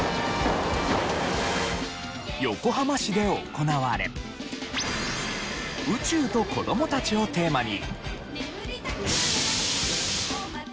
横浜市で行われ「宇宙と子どもたち」をテーマに。